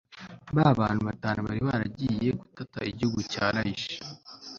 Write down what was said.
ba bantu batanu bari baragiye gutata igihugu cya layishi